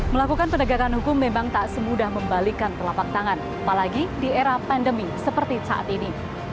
melakukan penegakan hukum memang tak semudah membalikan telapak tangan apalagi di era pandemi seperti saat ini